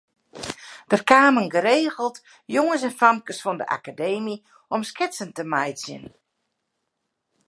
Der kamen geregeld jonges en famkes fan de Akademy om sketsen te meitsjen.